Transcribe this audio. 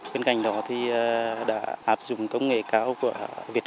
bên cạnh đó thì đã hạp dụng công nghệ cao của việt